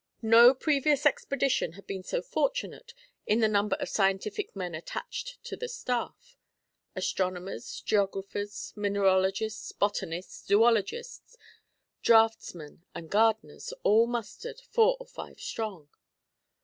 No previous expedition had been so fortunate in the number of scientific men attached to the staff. Astronomers, geographers, mineralogists, botanists, zoologists, draughtsmen, and gardeners, all mustered four or five strong.